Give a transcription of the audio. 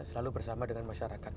selalu bersama dengan masyarakat